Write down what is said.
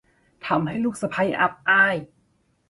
ทำให้ลูกสะใภ้อับอาย